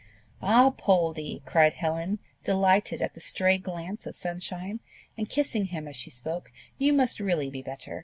"Ah, Poldie!" cried Helen, delighted at the stray glance of sunshine, and kissing him as she spoke, "you must really be better!